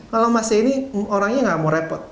kalau mas ini orangnya nggak mau repot